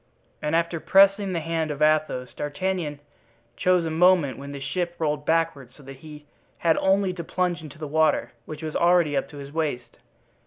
And after pressing the hand of Athos, D'Artagnan chose a moment when the ship rolled backward, so that he had only to plunge into the water, which was already up to his waist.